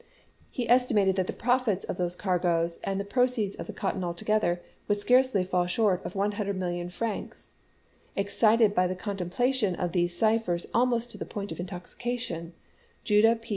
He estimated that the profits of these cargoes and the proceeds of the cotton altogether would scarcely fall short of 100,000,000 francs. Excited by the contempla tion of these ciphers almost to the point of intox 1862. ication, Judah P.